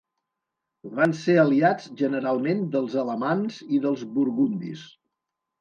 Van ser aliats generalment dels alamans i dels burgundis.